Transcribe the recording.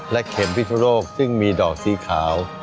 และเข็มพิสุโลกซึ่งมีดอกสีขาว